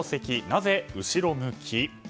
なぜ後ろ向き？